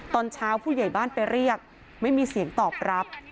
ตอนเช้าผู้ใหญ่บ้านไปเรียกไม่มีเสียงตอบรับ